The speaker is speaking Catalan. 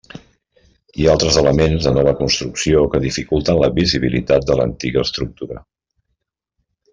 Hi ha altres elements de nova construcció que dificulten la visibilitat de l'antiga estructura.